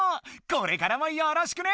これからもよろしくね！